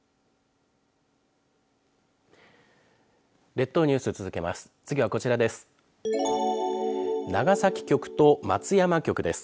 列島ニュース続けます。